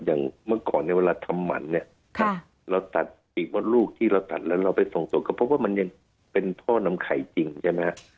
อย่างเมื่อก่อนเนี่ยเวลาทำหมันเนี่ยเราตัดปีกมดลูกที่เราตัดแล้วเราไปส่งตรวจก็พบว่ามันยังเป็นท่อนำไข่จริงใช่ไหมฮะ